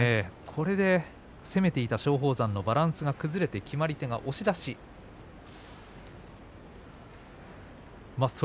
これで攻めていた松鳳山のバランスが崩れて決まり手は押し出しです。